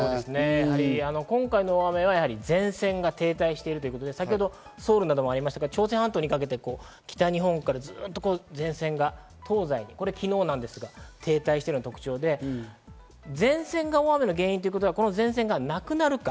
やはり今回の雨は前線が停滞しているということで、先ほどソウルにもありましたが、朝鮮半島にかけて北日本からずっと前線が東西、これ昨日なんですが、停滞しているのが特徴で、前線が大雨の原因ということは、この前線がなくなるか、